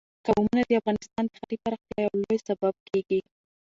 قومونه د افغانستان د ښاري پراختیا یو لوی سبب کېږي.